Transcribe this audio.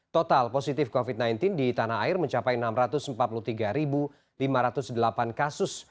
total positif covid sembilan belas di tanah air mencapai enam ratus empat puluh tiga lima ratus delapan kasus